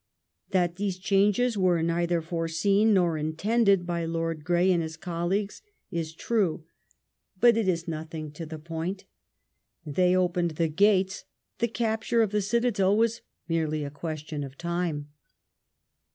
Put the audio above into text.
That these changes were neither foreseen nor intended by Lord Grey and his colleagues is true, but it is nothing to the point. They opened the gates ; the capture of the citadel was merely a question of time.